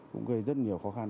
cũng gây rất nhiều khó khăn